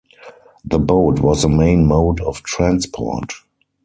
The boat was the main mode of transport.